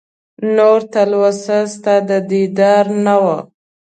نور تلوسه ستا د دیدار نه وه